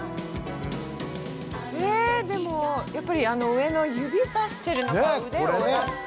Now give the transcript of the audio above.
えでもやっぱりあの上の指さしてるのか腕を出してる。